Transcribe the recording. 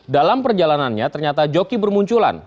dalam perjalanannya ternyata joki bermunculan